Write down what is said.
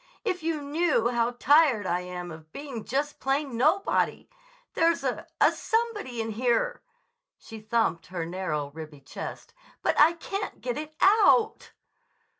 If you knew how tired I am of being just plain nobody! There's a—a somebody inside here"—she thumped her narrow, ribby chest—"but I can't get it out."